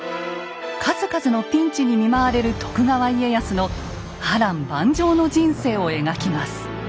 数々のピンチに見舞われる徳川家康の波乱万丈の人生を描きます。